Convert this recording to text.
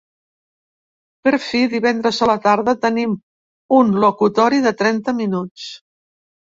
Per fi, divendres a la tarda tenim un locutori de trenta minuts.